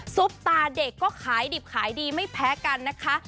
ซุปตาเด็กก็ขายดิบขายดีไม่แพ้กันนะคะ